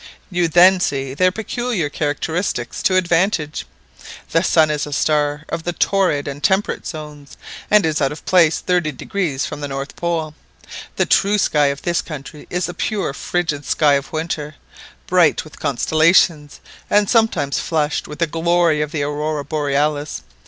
You then see their peculiar characteristics to advantage. The sun is a star of the torrid and temperate zones, and is out of place thirty degrees from the North Pole. The true sky of this country is the pure frigid sky of winter, bright with constellations, and sometimes flushed with the glory of the Aurora Borealis.